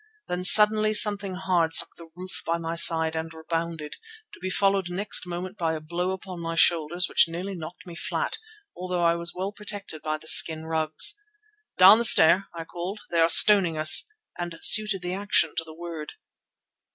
Then suddenly something hard struck the roof by my side and rebounded, to be followed next moment by a blow upon my shoulder which nearly knocked me flat, although I was well protected by the skin rugs. "Down the stair!" I called. "They are stoning us," and suited the action to the word.